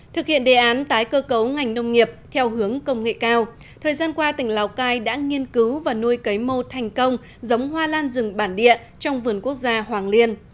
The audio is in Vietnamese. thực hiện đề án tái cơ cấu ngành nông nghiệp theo hướng công nghệ cao thời gian qua tỉnh lào cai đã nghiên cứu và nuôi cấy mô thành công giống hoa lan rừng bản địa trong vườn quốc gia hoàng liên